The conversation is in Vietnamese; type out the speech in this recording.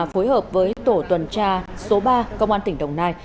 phối hợp với tổ tuần tra số ba công an tỉnh đồng nai